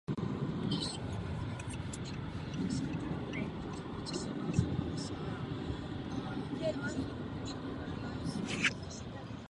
Ve Švédsku ale po jeho smrti nastoupil jako král Adolf Fridrich.